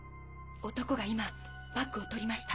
男が今バッグを取りました。